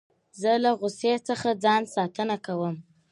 زه له غوسې څخه ځان ساتنه کوم.